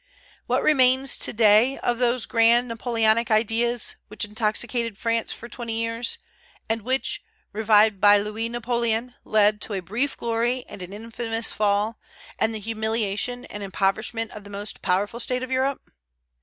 What remains to day of those grand Napoleonic ideas which intoxicated France for twenty years, and which, revived by Louis Napoleon, led to a brief glory and an infamous fall, and the humiliation and impoverishment of the most powerful state of Europe?